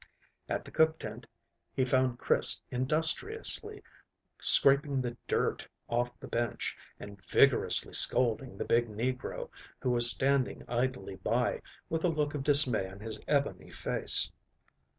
At the cook tent he found Chris industriously scraping the dirt off the bench, and vigorously scolding the big negro, who was standing idly by, with a look of dismay on his ebony face.